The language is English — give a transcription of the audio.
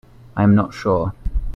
I am not sure.